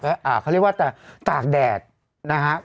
เขาเรียกว่าแต่ตากแดดนะฮะ